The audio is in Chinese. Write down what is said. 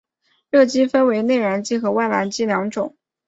热机分为内燃机和外燃机两种。